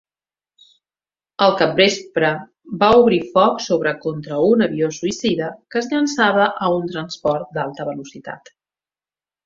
Al capvespre va obrir foc sobre contra un avió suïcida que es llançava a un transport d'alta velocitat.